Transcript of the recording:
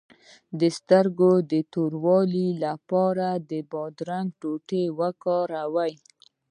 د سترګو د توروالي لپاره د بادرنګ ټوټې وکاروئ